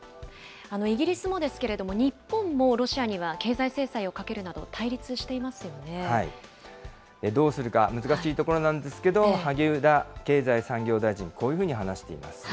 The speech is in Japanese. イギリスもですけれども、日本もロシアには経済制裁をかけるどうするか、難しいところなんですけど、萩生田経済産業大臣、こういうふうに話しています。